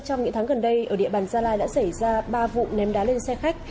trong những tháng gần đây ở địa bàn gia lai đã xảy ra ba vụ ném đá lên xe khách